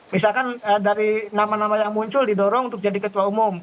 misalkan dari nama nama yang muncul didorong untuk jadi ketua umum